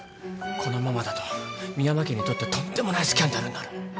このままだと深山家にとってとんでもないスキャンダルになる。